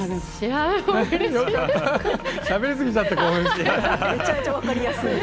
しゃべりすぎちゃって。